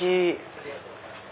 ありがとうございます。